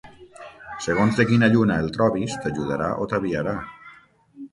Segons de quina lluna el trobis t'ajudarà o t'aviarà.